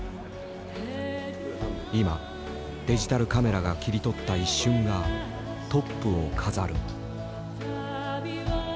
今デジタルカメラが切り取った一瞬がトップを飾る。